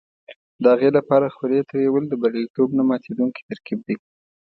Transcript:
د هغې لپاره خولې تویول د بریالیتوب نه ماتېدونکی ترکیب دی.